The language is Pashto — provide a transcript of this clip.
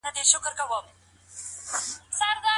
کره شمېرې پټې دي.